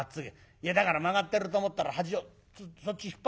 いやだから曲がってると思ったら端をそっち引っ張ってみ